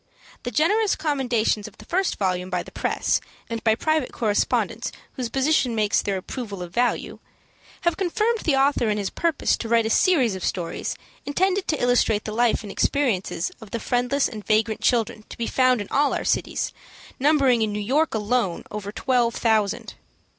The generous commendations of the first volume by the Press, and by private correspondents whose position makes their approval of value, have confirmed the author in his purpose to write a series of stories intended to illustrate the life and experiences of the friendless and vagrant children to be found in all our cities, numbering in New York alone over twelve thousand.